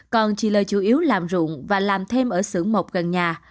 còn chị l chủ yếu làm rụng và làm thêm ở xưởng mộc gần nhà